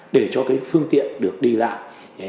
để cho cái phương tiện được đi lại